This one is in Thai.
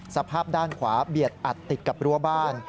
สภาพด้านขวาเบียดอัดติดกับรั้วบ้าน